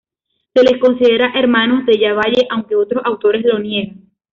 Se les considera hermanos Della Valle, aunque otros autores lo niegan.